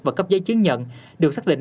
và cấp giấy chứng nhận được xác định